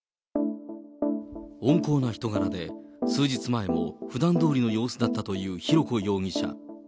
温厚な人柄で、数日前もふだんどおりの様子だったという浩子容疑者。